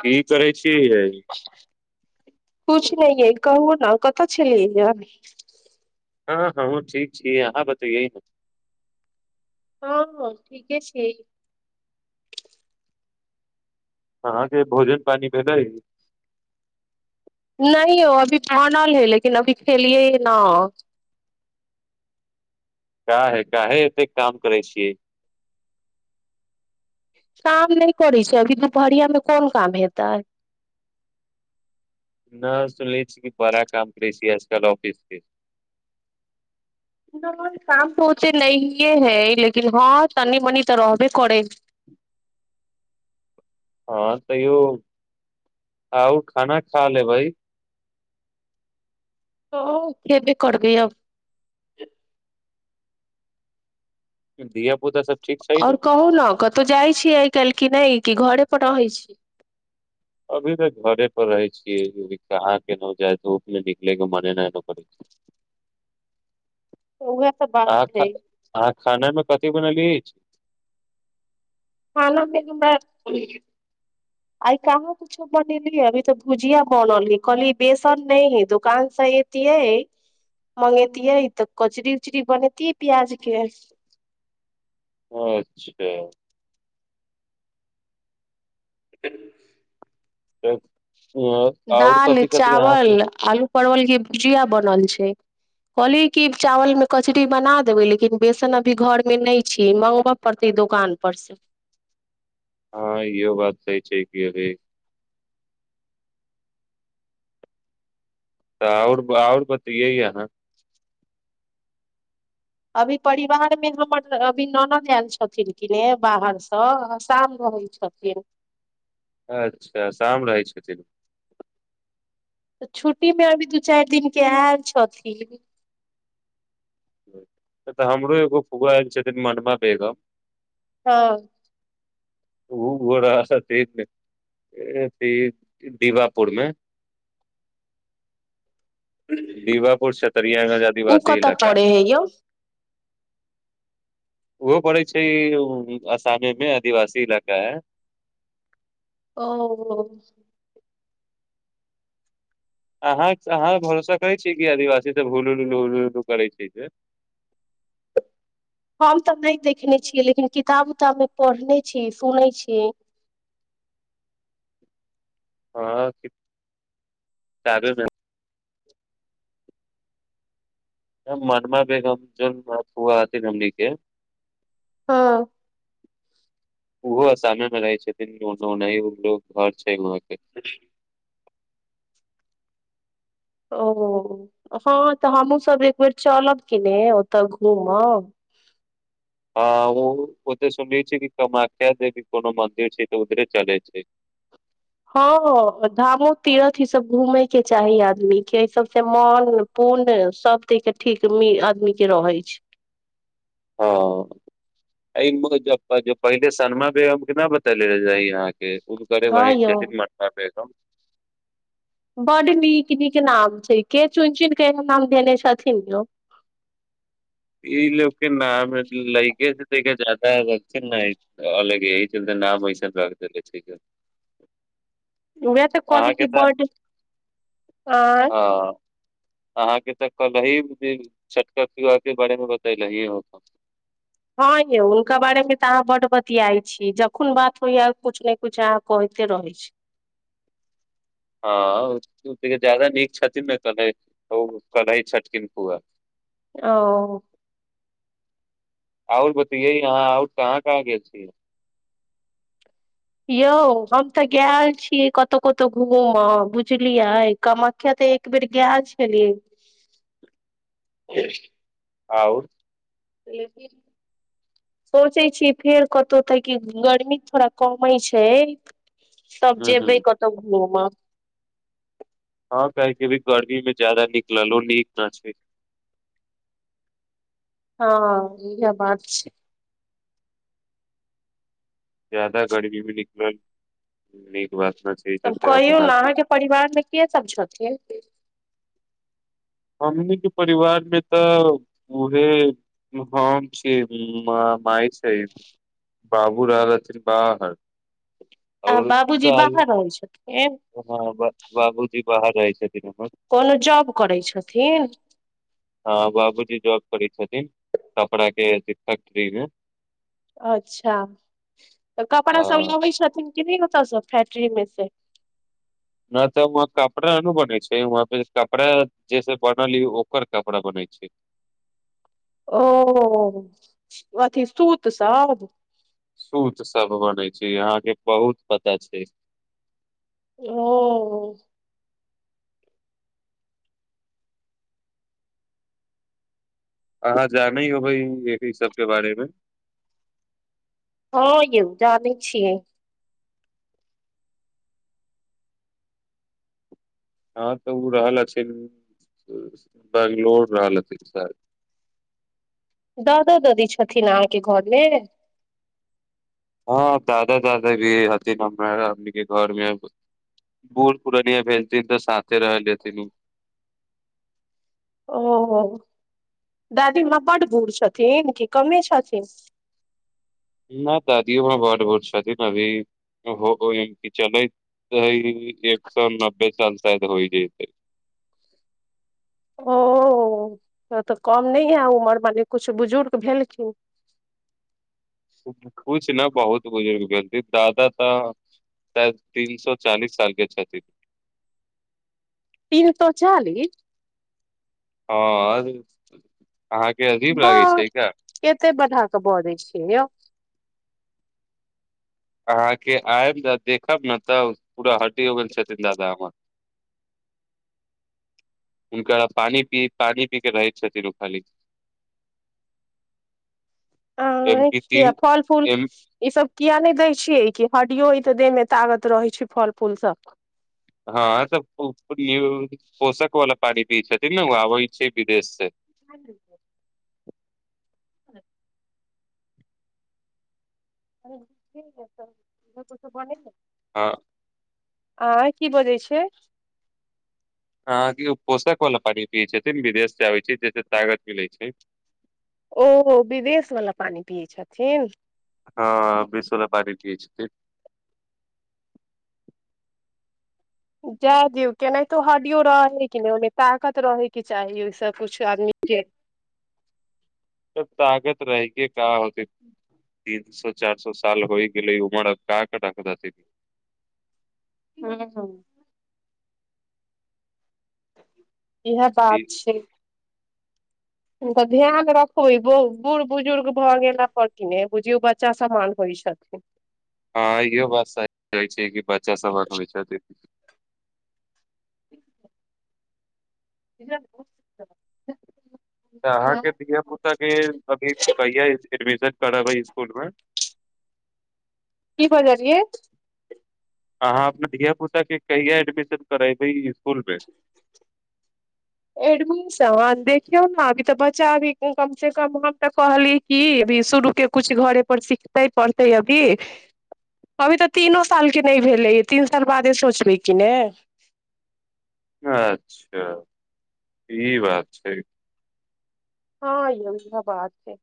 की करै छै छियै कुछ नहि कहू ने कतऽ छलियब हँ हँ हमहूँ ठीक छीयै अहाँ बतैैयै हँ हँ ठीके छै अहाँके भोजन पानी भलै नहि यौअभी बनल हय लेकिन अभी खेलियए नहि का काहे एत काम करै छी काम नहि करै छै अभी दुपहरियामे कोन काम हेतै न सुनी छी बरा काम करी छियै आजकल ऑफिस के काम पहुते नहिए है लेकिन हँ तनी मनी तऽ रहबे करै हँ तैयो आउ खाना खा लेबै ओ के बे करगै आब धिया पुता सब ठीक छै आओर कहू ने कतहु जाइ छियै आइ काल्हि कि नहि कि घरे पर रहै छी अभी तऽ घरे पर रहे छियै के न जाइ तऽ ओ अप नहि निकले कि मने नहि एना करै छै तऽ उएह त बात अहाँ खा हय अहाँ खाना मे कथी बनल अछि छ खानामे हमरा आइ कहाँ किछो बनेलिय अभी तऽ भुजिया बनल हय कहलियी बेसन नहि हइ दोकानसँ अतियै मंगेतियै तऽ कचरी उचरी बनेैतियै प्याजके अच्छा ह [inaudible] एकठ दाल चावल आलू परवल के भुजिया बनल छै कहलियी कि चावलमे कचरी बना देबै लेकिन बेसन अभी घरमे नहि छी मङगबय पड़तै दोकानपर से हँ यहो बात सही छै कि गई तऽ आओर आओर बतइै अहाँ अभी परिवारमे हमर अभी ननद आयल छथिन किने बाहरसँ आ शाम रहै छथिन अच्छा शाम रहै छथिन तऽ छुट्टीमे अभी दू चारि दिनके आयल छथिन तऽ हमरो एगो फुआ आयल छथिन मनमा बेगम हँ ओ उ दीवापुरमे दीवपुर छतरियागंज उ आदिवासी कतऽ इलका पड़े है यौ ओहो पड़ै छै आसमेमे आदिवासी इलाका है ओ- अहाँ अहाँ भरोसा करै छियै कि आदिवासी सभ हुलूलू हलू उल्लू करै छै से हम तऽ नहि देखने छियै लेकिन किताब बच्चा मे पढ़ने छी सुनै छीय हँ चालू ने मनमा बेगम फुआ हथिन हमनी के हँ ओहो संगे मे रहै छथिन ओनोनय घर छै वह [unintelligible] ओ हँ तऽ हमहूँसभ एक बेर चलब कि ने ओतऽ घूमब आ ओ ओे सुनले छ कि कामाख्या जे भी कोनो मंदिर छै तऽ उधरे चलै छै हँ धामो तीरथ ईसभ घूमयके चाही आदमीे एहि सभसँ मन पुण्य सभ द क ठीक आदमीक के रहै छै हँ एहि जे पहिले सनमा बेगम के नहि बतेले रही अहाँके ओ करे हँ भइ यौ छथिन मनमा बेगम बड नीक नीक नाम छै के चुन चुन कऽह नाम धयने छथिन यौ देखके जाता ह ब नहि अलय एहि चतय तऽ नाम बैसन रख द लै छैक वएह तऽ कहलि की बर्ड आ कही छठ पर्व के बारे मे बतेल हये हम हँं य उनका बारेमे त अहाँ बड्ड बत बतियाइ छी जखन बात होइया कुछ ने कुछ अहाँ कहते रहै छी हँ जादा नीक छथिन ने क ओ कै छथिन फुआ ओ आओर बतैए अहाँ आओर कहाँ कहाँ गेल छियै यौ हम तऽ गेल छीयै कतहु कतहु घूम बुझलियै कामाख्या तऽ एक बेर गेल छलियै। आओर सोचै छीयै फेर कतहु तकी कि गर्मी थोड़ा कमै छैय। सब हूँ हूँ जेबै कतव घुम। जादा नीक ललो नीक ना छै हँ इह बात छै ज्यदाा गर्मी भी निकलल नीक बात न छै एहि तब चलते हमहूँ कहियौ न ने गेल अहाँके परिवारमे के सभ छथिन हमनी के परिवार मे तऽ उहे हम छी माय छै बाबू रहलथी बाहर। आ बाबूजी [unintelligible] बाहर रहै छथिन बाबूजी बाहर आइ कोनो जॉब करै छ हँ बाबूजी जॉब करै छथिन छपड़ा के फैक्ट्रीमे। अच्छा तऽ कपड़ा हँ सब लबै छथिन ओतस फैक्ट्री मे से। न तऽ हम कपड़ा न बने छै ह कपड़ा जेस बनाल ओकर कपड़ा बने छै ओ अथी सूत सब। सूत सब बनै छैय आँहाँके बहुत पता छैय। ओ अहाँ जानै होबै एहि सबके बारेमे। हँ यौ जानै छियै। हँ तऽ ओ रहल अछी बैंगलोड़ रहल हथिन स दादा दादी छथिन अहाँके घरमे? हँ दादा दादा भी हथिन हमरा के घर मे बूढ़ पूर्णिया भेलथिन तऽ साथे रहल हथिन की। ओ दादी बड गूर छथिन की कमे छथिन? नहि दादीयो बड भ छथिन अभी चलैत एक सए नब्बे साल शायद होइ जेतय। ओ तऽ कम नहि यए उमर मने किछु बुजुर्ग भेलखिन। कुछ न बहुत बुजुर्ग भेलथिन दादा तऽ शाय तीन सो चालीस साल के छथिन। तीन सए चालीस? हँ अहाँके अजीब ब लागै छै का केते बढ़ा क बजय छियै यौ। अहाँके आयब त देखब ने तऽ पूरा हटी हो गेल छथिन दादा हमर। हुनकरा पानि पी पानि पीके रहैत छथिन ओ खाली। एम आँय पी किया तीन फल फूल एम ई सब किया नहि दै छियै कि। हडीयो य तऽ देह मे तागत रहै छैय फल फूल स। हँ तऽ पोषक वाला पानि पियै छथि ने ओ आबै छै की कहय छी से? [unintelligible] [unintelligible] हँ आँय की बजै छियै? अहाँके ओ पोषक वाला पानि पियै छथिन विदेशसँ आबैत छैय जहिसे तागत मिलैत छैय। ओ विदेश वाला पानि पियै छथिन। हँ बिस वला पानी पियै छथिन जाय दियौ केनाहितो हडियो रहै कि नहि ओहिमे ताकत रहैके चाही ओहिसँ किुछु आदमीके तब ताकत रहके का होते तीन सए चार सए साल होइ गेल लै उमर आ का करै के रहते हँ ह [inaudible] इएह बात छै तऽ ध्यान रखब ई ब बूढ़ बुजुर्ग भऽ गेला पर कि नहि बुझियौ बच्चा समान होइत छथिन हँ इहो बात सही कहै छियै कि बच्चा समान होय छथिन [unintelligible] तऽ अहाँके धिया पुता के अभी कहिआ एडमिशन करबै स्कूल मे की बाजलियै अहाँ अपना धिय पुता के कहिया एडमिशन करेबै इसकुलमे एडमिशन देखियौ ने अभी तऽ बच्चा अभी कमसँ कम हम तऽ कहलियै कि अभी शुरूके किछु घरेपर सिखतै पढ़तै अभी अभी तऽ तीनो सालके नहि भेलै तीन साल बादे सोचबै कि ने अच्छा ई बात छै हँ यो इहे बात छै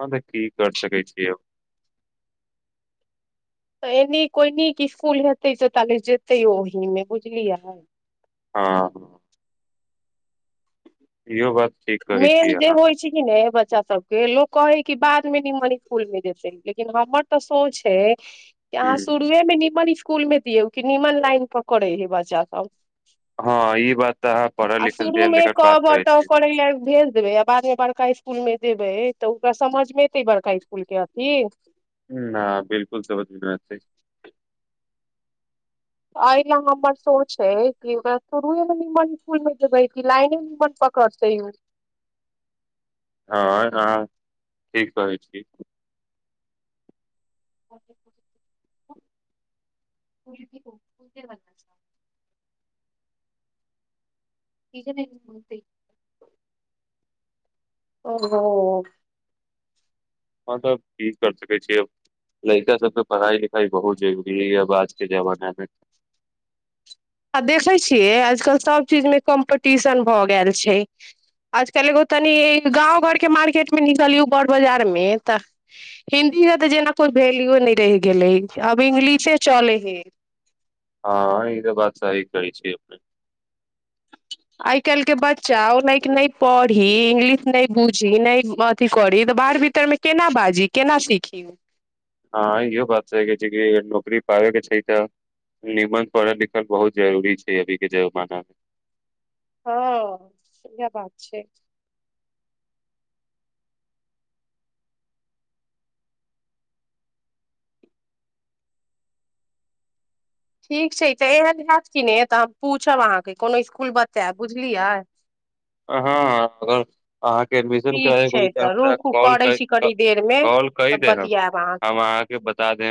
हँ त की कर सकै छिये अब त एनि कोइ नीक स्कूल हेतै से ताले जेते ओहीमे बुझलियै हँ ह इहो बात ठीक कहै मेन छी जे अहाँ होइ छै किने बच्चा सबके लोक कहै की बाद मे निमनी स्कूल मे देते लेकिन हमर तऽ सोच है की ह आहाँ शुरुए मे निमन स्कूल कुल मे दियऔ कि निमन लाइन पकरै है बच्चा सब हँ ई बात तऽ अहाँ पढ़ल आ लिखल द ल बात करै छी सम देबै आ बादमे बड़का इसकुल मे देबै तऽ ओकरा समझमे एतै बड़का इसकुल के अथी न बिलकुल समझ मे ना एतै एहि ला हमर सोच है कि ओकरा शुरुएमे निमन स्कूल मे देबै कि लाइने निमन पकड़तै उ हँ अहाँ ठीक कहै छी [inaudible] [unintelligible] [unintelligible] ओहो ह तब की कर सकै छियै अब लड़िका सबके पढ़ाइ लिखाइ बहुत जरुररी अब आजके जमानमे आ देखै छियै आजकल सभचीजमे कम्पीटिशन भऽ गेल छै आजकल एगो तनि गाँव घरके मार्केटमे निकलियौ बर बाजारमे तऽ हिंदीके तऽ जेना किइ वैल्यूओ नहि रहि गेलै आब इंग्लिशे चलै हइ हँ ई त बात सहि कहै छियै अपने आइ काल्हिके बच्चा ओ लक नहि पढ़ी इंग्लिश नहि बुझी नहि अथी करी तऽ बाहर भीतरमे केना बाजी केना सीखी हँ इहो बात छै छै नौकरी पाबै के छै तऽ निमन पढ़ल लिखल बहुत जरूरी छै अभी के जमाना मे हँ सुय बात छै ठीक छै तऽ एहन हयत कि ने तऽ हम पूछब अहाँके कोनो इसकुल बच्चा बुझलियै हँर अहाँके एडमिशन ठीक छै करा तऽ रुकू करै छी कॉ कनी देरमे कॉल क तब दे हम बतियाएब अहाँसँ अहाँके बता दे